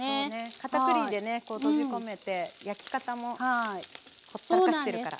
かたくりでねこうとじ込めて焼き方もほったらかしてるから。